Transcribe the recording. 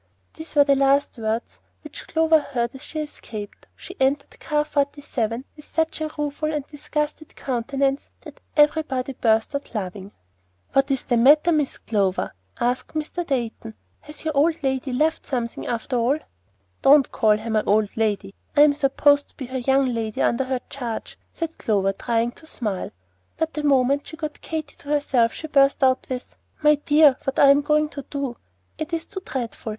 These were the last words which Clover heard as she escaped. She entered Car Forty seven with such a rueful and disgusted countenance that everybody burst out laughing. "What is the matter, Miss Clover?" asked Mr. Dayton. "Has your old lady left something after all?" "Don't call her my old lady! I'm supposed to be her young lady, under her charge," said Clover, trying to smile. But the moment she got Katy to herself, she burst out with, "My dear, what am I going to do? It's really too dreadful.